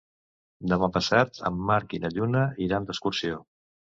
Demà passat en Marc i na Laura iran d'excursió.